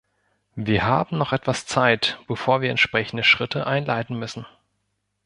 Wir haben noch etwas Zeit, bevor wir entsprechende Schritte einleiten müssen.